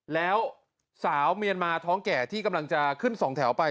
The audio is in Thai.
แล้วสาวเมียนมาท้องแก่ที่กำลังจะขึ้นสองแถวไป